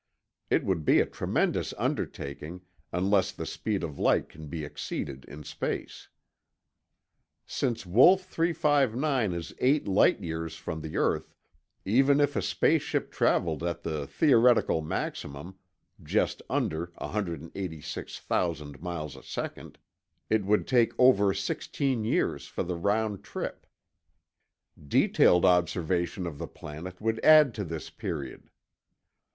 It would be a tremendous undertaking, unless the speed of light can be exceeded in space. Since Wolf 359 is eight light years from the earth, even if a space ship traveled at the theoretical maximum—just under 186,00 miles a second—it would take over sixteen years for the round trip. Detailed observation of the planet would add to this period.